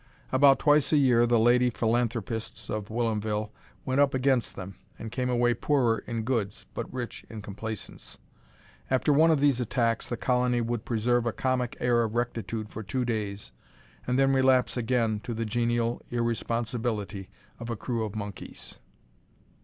About twice a year the lady philanthropists of Whilomville went up against them, and came away poorer in goods but rich in complacence. After one of these attacks the colony would preserve a comic air of rectitude for two days, and then relapse again to the genial irresponsibility of a crew of monkeys.